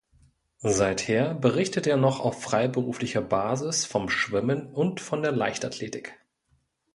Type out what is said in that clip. Seither berichtet er noch auf freiberuflicher Basis vom Schwimmen und von der Leichtathletik.